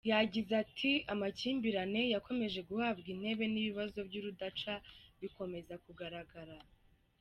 Yagize ati “Amakimbirane yakomeje guhabwa intebe n’ibibazo by’urudaca bikomeza kugaragara.